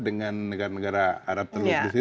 dengan negara negara arab teluk di sini